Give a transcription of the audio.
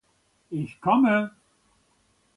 Ich komme.